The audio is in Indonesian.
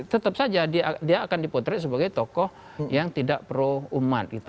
tetap saja dia akan dipotret sebagai tokoh yang tidak pro umat gitu